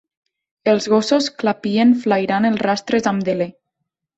Els gossos clapien flairant els rastres amb deler.